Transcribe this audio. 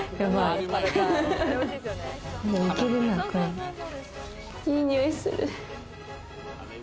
いい匂いする！